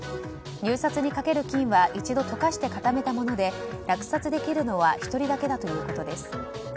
入札にかける金は一度溶かして固めたもので落札できるのは１人だけだということです。